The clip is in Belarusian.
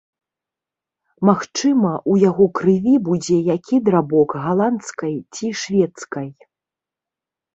Магчыма, у яго крыві будзе які драбок галандскай ці шведскай.